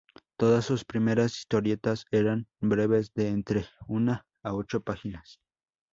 Todas sus primeras historietas eran breves, de entre una a ocho páginas.